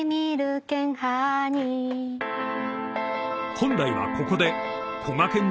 ［本来はここで］